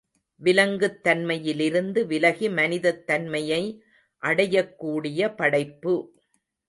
விலங்குத் தன்மையிலிருந்து விலகி மனிதத் தன்மையை அடையக்கூடிய படைப்பு!